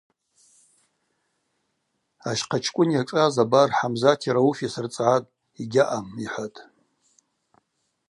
Ащхъачкӏвын йашӏаз абар Хӏамзати Рауфи сырцӏгӏатӏ – йгьаъам, – йхӏватӏ.